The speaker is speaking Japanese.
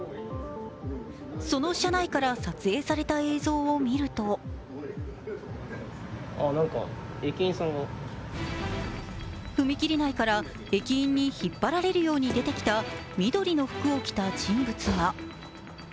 その車内から撮影された映像を見ると踏切内から駅員に引っ張られるように出てきた緑の服を着た人物が。